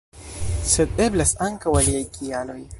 Sed eblas ankaŭ aliaj kialoj.